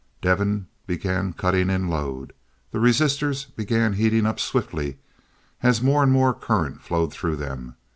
Devin began cutting in load. The resistors began heating up swiftly as more and more current flowed through them.